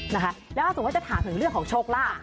นะคะแล้วถ้าสมมุติจะถามถึงเรื่องของโชคลาภ